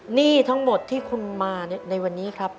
หนี้ทั้งหมดที่คุณมาในวันนี้ครับ